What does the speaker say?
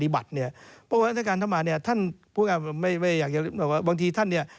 บางทีท่านเนี่ย